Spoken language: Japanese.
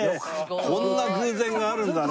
こんな偶然があるんだね。